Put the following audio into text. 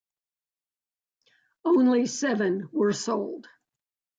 Only seven were sold.